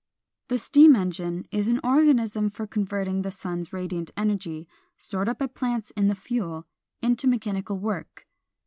The steam engine is an organism for converting the sun's radiant energy, stored up by plants in the fuel, into mechanical work.